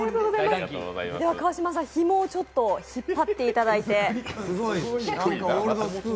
では、川島さん、ひもを引っ張っていただいて。